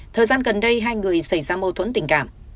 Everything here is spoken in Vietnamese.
thời gian gần đây hai người xảy ra mâu thuẫn tình cảm